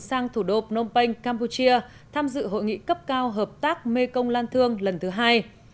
sang thủ đô phnom penh campuchia tham dự hội nghị cấp cao hợp tác mê công lan thương lần thứ hai